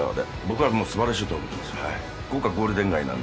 僕はもう素晴らしいと思います。